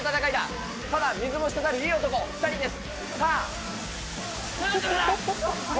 ただ水も滴るいい男２人です。